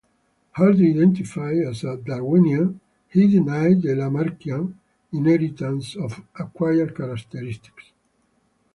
Hardy identified as a Darwinian, he denied the Lamarckian inheritance of acquired characteristics.